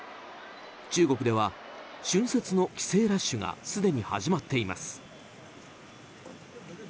中国では春節の帰省ラッシュがすでに始まっています。